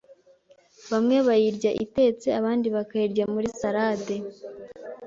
Bamwe bayirya itetse, abandi bakayirya muri salade